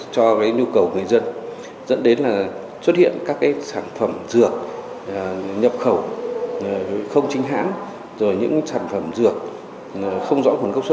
cho cái nhu cầu người dân dẫn đến là xuất hiện các cái sản phẩm dược nhập khẩu không chính hãng